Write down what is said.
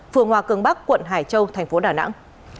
phường hòa cường bắc quận hải châu thành phố đà nẵng